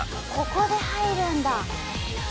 ここで入るんだ。